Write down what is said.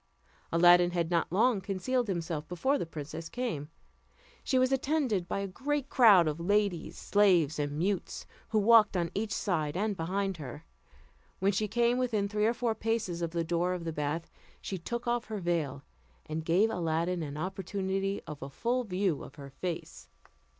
Aladdin had not long concealed himself before the princess came. She was attended by a great crowd of ladies, slaves, and mutes, who walked on each side and behind her. When she came within three or four paces of the door of the bath, she took off her veil, and gave Aladdin an opportunity of a full view of her face.